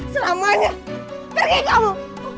selamanya pergi kamu